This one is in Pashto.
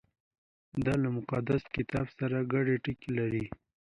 • دا له مقدس کتاب سره ګډ ټکي لري.